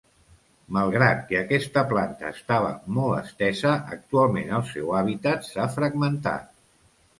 Malgrat que aquesta planta estava molt estesa, actualment el seu hàbitat s'ha fragmentat.